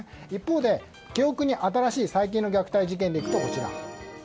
一方で、記憶に新しい最近の虐待事件でいうとこちら。